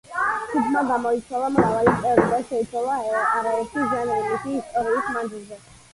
ჯგუფმა გამოიცვალა მრავალი წევრი და შეიცვალა არაერთი ჟანრი მისი ისტორიის მანძილზე.